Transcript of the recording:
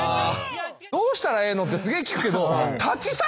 「どうしたらええの？」ってすげえ聞くけど。